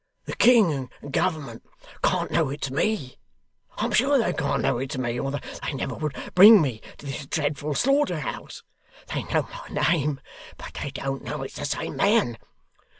'The King and Government can't know it's me; I'm sure they can't know it's me; or they never would bring me to this dreadful slaughterhouse. They know my name, but they don't know it's the same man.